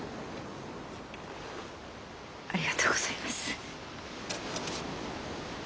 ありがとうございます。